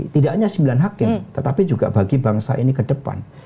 tidak hanya sembilan hakim tetapi juga bagi bangsa ini ke depan